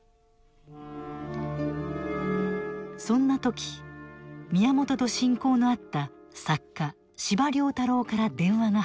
そんな時宮本と親交のあった作家・司馬太郎から電話が入る。